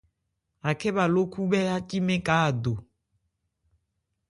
Akhɛ́ bha ló khúbhɛ́ ácí mɛ́n ka a do.